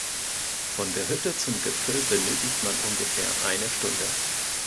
Von der Hütte zum Gipfel benötigt man ungefähr eine Stunde.